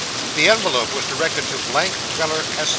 The envelope was directed to blank Weller, Esq.